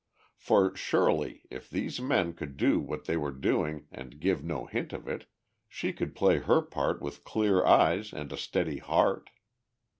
For surely, if these men could do what they were doing and give no hint of it, she could play her part with clear eyes and a steady heart.